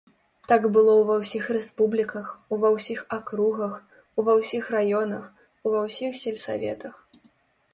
Так было ўва ўсіх рэспубліках, ува ўсіх акругах, ува ўсіх раёнах, ува ўсіх сельсаветах.